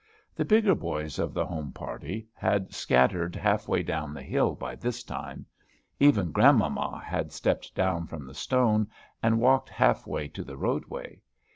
The bigger boys of the home party had scattered half way down the hill by this time. Even grandmamma had stepped down from the stone, and walked half way to the roadway.